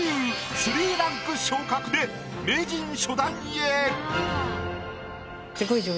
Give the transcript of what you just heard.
３ランク昇格で名人初段へ！